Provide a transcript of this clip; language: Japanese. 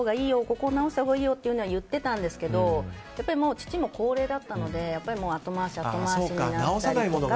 ここを直したほうがいいよっていうのは言ってたんですけどやっぱり父も高齢だったので後回しになって。